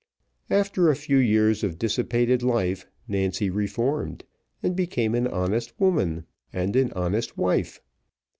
After a few years of dissipated life, Nancy reformed, and became an honest woman, and an honest wife.